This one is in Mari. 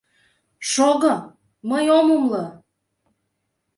— Шого, мый ом умыло.